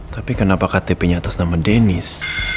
tapi kenapa ktp nya atas nama denis